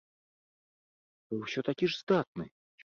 Вы ўсё такі ж здатны!